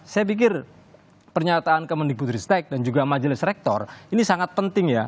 saya pikir pernyataan kemendikbutristek dan juga majelis rektor ini sangat penting ya